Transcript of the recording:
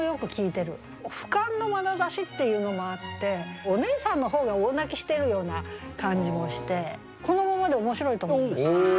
ふかんのまなざしっていうのもあってお姉さんの方が大泣きしてるような感じもしてこのままで面白いと思います。